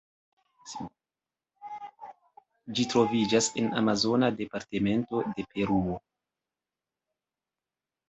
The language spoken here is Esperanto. Ĝi troviĝas en amazona departemento de Peruo.